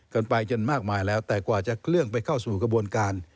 กันไปจนมากมายแล้วแต่กว่าจะเคลื่อนไปเข้าสู่กระบวนการ